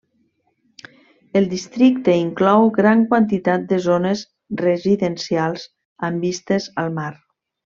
El districte inclou gran quantitat de zones residencials amb vistes al mar.